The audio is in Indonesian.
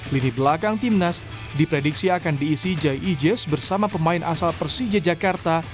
lini belakang timnas diprediksi akan diisi jai e jazz bersama pemain asal persija jakarta